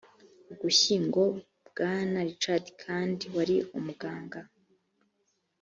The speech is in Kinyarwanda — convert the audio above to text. ugushyingo bwana richard kandt wari umuganga